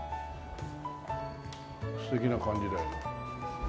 素敵な感じだよね。